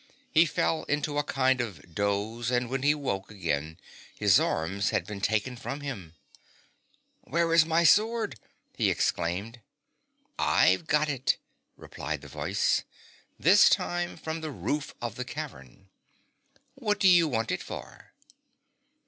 He fell into a kind of doze, and when he woke again his arms had been taken from him. ' Where is my sword T he ex claimed. ' I've got it,' replied the voice, this time from the roof of the THE BOTTOM OF THE GULF cavern ;' what do you want it for